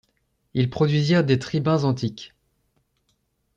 Ils produisirent des tribuns antiques.